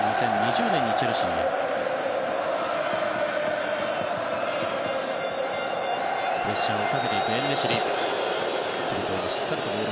２０２０年にチェルシーへ。